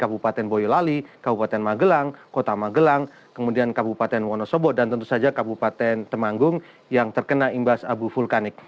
kabupaten boyolali kabupaten magelang kota magelang kemudian kabupaten wonosobo dan tentu saja kabupaten temanggung yang terkena imbas abu vulkanik